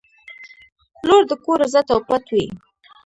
• لور د کور عزت او پت وي.